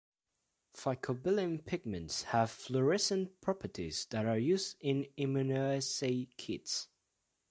Phycobilin pigments have fluorescent properties that are used in immunoassay kits.